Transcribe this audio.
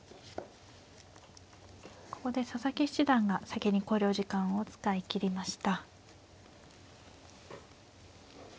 ここで佐々木七段が先に考慮時間を使い切りました。